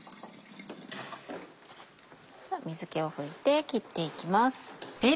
水気を拭いて切っていきます。